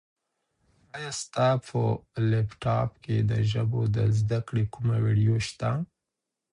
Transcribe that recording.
ایا ستا په لیپټاپ کي د ژبو د زده کړې کومه ویډیو شته؟